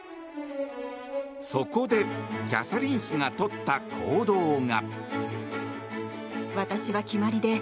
そこで、キャサリン妃がとった行動が。